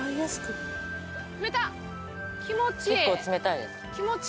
結構冷たいです。